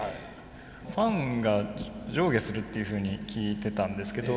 ファンが上下するっていうふうに聞いてたんですけど。